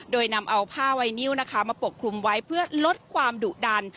โดยนำเอาผ้าไวนิวนะคะมาปกคลุมไว้เพื่อลดความดุดัน